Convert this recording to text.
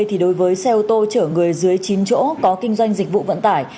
thì đối với xe ô tô chở người dưới chín chỗ có kinh doanh dịch vụ vận tải